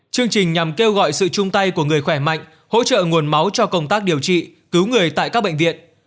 chương trình nhằm kêu gọi sự chung tay của người khỏe mạnh hỗ trợ nguồn máu cho công tác điều trị cứu người tại các bệnh viện